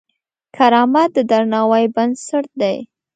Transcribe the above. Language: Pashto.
کرامت د درناوي بنسټ دی.